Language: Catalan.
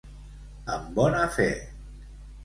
En bona fe.